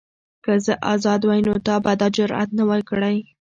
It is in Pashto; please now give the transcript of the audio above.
که زه ازاد وای نو تا به دا جرئت نه وای کړی.